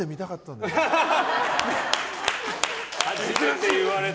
初めて言われた。